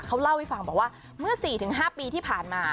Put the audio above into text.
เขาเล่าให้ฟังบอกว่าเมื่อ๔๕ปีที่ผ่านมา